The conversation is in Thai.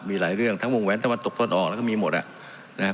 มีหลายเรื่องทั้งวงแหวนตะวันตกต้นออกแล้วก็มีหมดอ่ะนะครับ